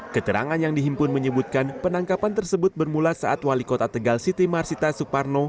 keterangan yang dihimpun menyebutkan penangkapan tersebut bermula saat wali kota tegal siti marsita suparno